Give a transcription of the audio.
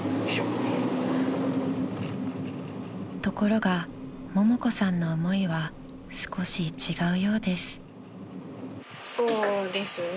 ［ところがももこさんの思いは少し違うようです］